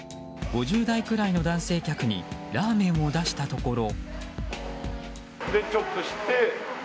５０代くらいの男性客にラーメンを出したところ。